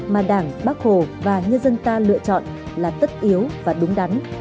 mà đảng bác hồ và nhân dân ta lựa chọn là tất yếu và đúng đắn